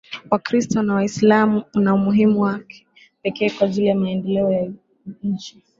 Wakristo na Waislamu una umuhimu wa pekee kwa ajili ya maendeleo ya nchi